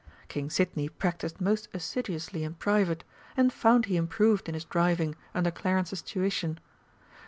King Sidney practised most assiduously in private, and found he improved in his driving under Clarence's tuition.